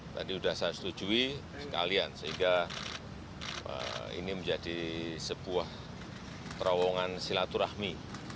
tadi sudah saya setujui sekalian sehingga ini menjadi sebuah terowongan silaturahmi